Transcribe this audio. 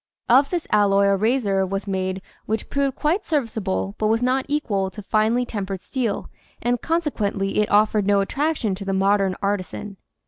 Of this alloy a razor was made which proved quite serviceable but was not equal to finely tem pered steel and consequently it offered no attraction to the modern artisan.